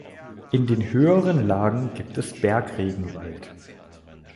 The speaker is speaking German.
In den höheren Lagen gibt es Bergregenwald.